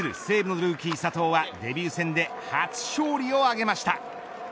西武のルーキー佐藤はデビュー戦で初勝利を挙げました